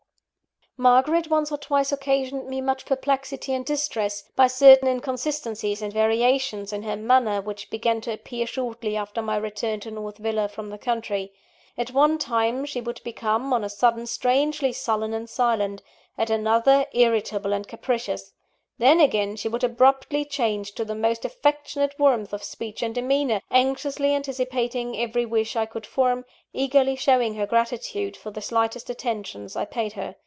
Margaret once or twice occasioned me much perplexity and distress, by certain inconsistencies and variations in her manner, which began to appear shortly after my return to North Villa from the country. At one time, she would become, on a sudden, strangely sullen and silent at another, irritable and capricious. Then, again, she would abruptly change to the most affectionate warmth of speech and demeanour, anxiously anticipating every wish I could form, eagerly showing her gratitude for the slightest attentions I paid her.